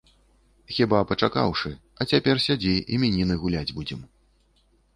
Хіба пачакаўшы, а цяпер сядзі, імяніны гуляць будзем.